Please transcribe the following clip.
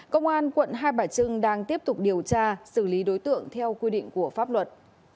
công an quận hai bà trưng đang tiếp tục điều tra xử lý đối tượng theo quy định của pháp luật